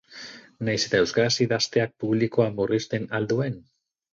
Nahiz eta euskaraz idazteak publikoa murrizten ahal duen?